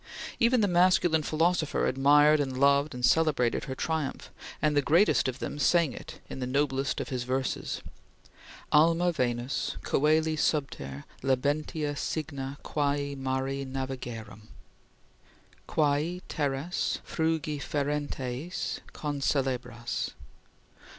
Even the masculine philosopher admired and loved and celebrated her triumph, and the greatest of them sang it in the noblest of his verses: "Alma Venus, coeli subter labentia signa Quae mare navigerum, quae terras frugiferenteis Concelebras